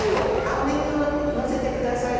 青ネギをのせてください。